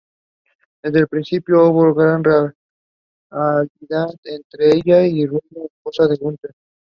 Desde el principio, hubo gran rivalidad entre ella y Brunilda, esposa de Gunther.